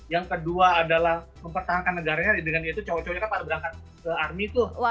yang kedua adalah mempertahankan negaranya dengan itu cowok cowoknya kan pada berangkat ke army tuh